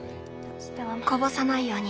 こぼさないように。